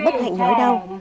bất hạnh nói đau